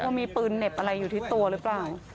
ว่ามีปืนเหน็บอะไรอยู่ที่ตัวหรือเปล่า